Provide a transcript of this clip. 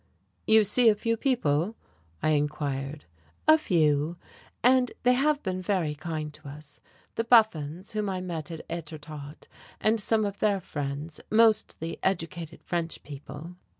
"You see a few people?" I inquired. "A few. And they have been very kind to us. The Buffons, whom I met at Etretat, and some of their friends, mostly educated French people."